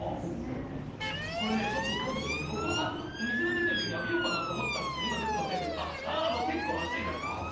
これね、ちょっとどうでしょうね、僕も水が出ているとき、浴びようかなと思ったんですけど、今、出ていませんけれども、ああ、結構熱いな。